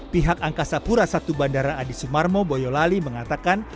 pihak angkasa pura i bandara adi sumarmo boyolali mengatakan